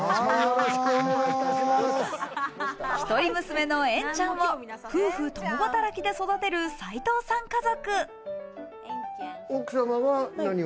１人娘の縁ちゃんを夫婦共働きで育てる斉藤さん家族。